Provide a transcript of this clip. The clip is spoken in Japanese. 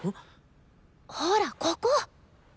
ほらここ！